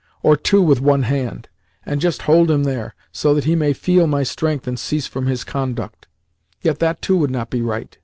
] or two with one hand, and just hold him there, so that he may feel my strength and cease from his conduct. Yet that too would not be right.